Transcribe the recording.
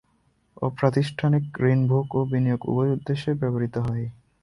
অপ্রাতিষ্ঠানিক ঋণ ভোগ ও বিনিয়োগ- উভয় উদ্দেশ্যেই ব্যবহূত হয়।